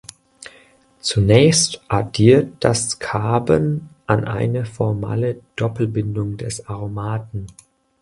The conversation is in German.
Zunächst addiert das Carben an eine formale Doppelbindung des Aromaten.